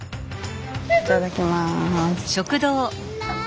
いただきます。